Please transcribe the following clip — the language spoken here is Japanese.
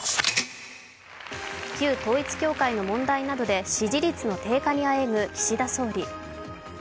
旧統一教会などの問題で支持率の低下にあえぐ岸田総理。